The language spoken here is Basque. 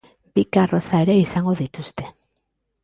Bi karroza ere izango dituzte.